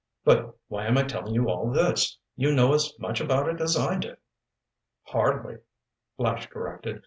But why am I telling you all this? You know as much about it as I do." "Hardly," Flash corrected.